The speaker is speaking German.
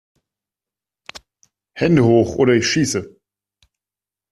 Hände Hoch oder ich Schieße!